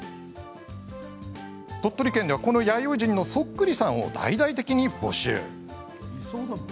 鳥取県では、この弥生人のそっくりさんを大々的に募集。